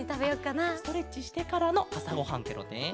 ストレッチしてからのあさごはんケロね。